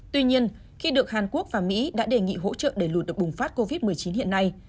tuy nhiên khi được hàn quốc và mỹ đã đề nghị hỗ trợ để lụt được bùng phát covid một mươi chín hiện nay